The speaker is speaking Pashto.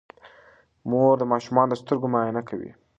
مور د ماشومانو د سترګو معاینه کوي.